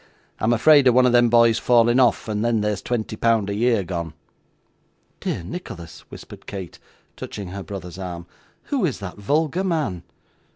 I'm afraid of one of them boys falling off and then there's twenty pound a year gone.' 'Dear Nicholas,' whispered Kate, touching her brother's arm, 'who is that vulgar man?